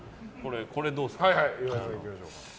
これ、どうですか。